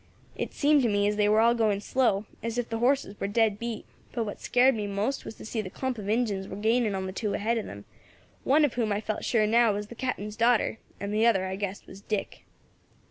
It seemed to me as they war all going slow, as if the horses war dead beat; but what scared me most was to see as the clump of Injins war gaining on the two ahead of them, one of whom I felt sure now was the Captain's daughter, and the other I guessed was Dick.